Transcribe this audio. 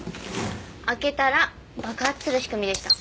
開けたら爆発する仕組みでした。